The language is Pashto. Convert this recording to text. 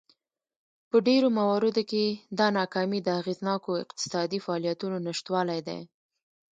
په ډېرو مواردو کې دا ناکامي د اغېزناکو اقتصادي فعالیتونو نشتوالی دی.